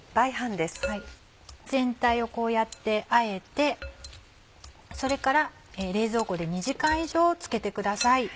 全体をこうやってあえてそれから冷蔵庫で２時間以上漬けてください。